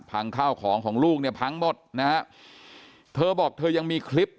ข้าวของของลูกเนี่ยพังหมดนะฮะเธอบอกเธอยังมีคลิป